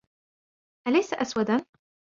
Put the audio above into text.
أليس أسوداً ؟